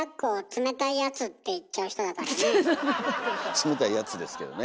「冷たい奴」ですけどね。